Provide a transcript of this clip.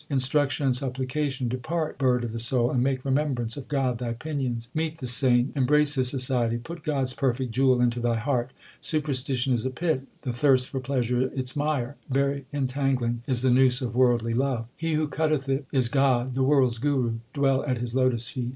Instruction and supplication : Depart, bird of the soul, and make remembrance of God thy pinions ; Meet the saint, embrace his society, put God s perfect jewel into thy heart. Superstition is a pit, the thirst for pleasure its mire ; very entangling is the noose of worldly love. He who cutteth it is God, the world s Guru ; dwell at His lotus feet.